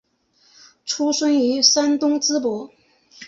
出生于山东淄博。